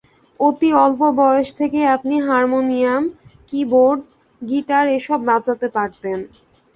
অতি অল্প বয়স থেকেই আপনি হারমোনিয়াম, কি-বোর্ড, গিটার এসব বাজাতে পারতেন।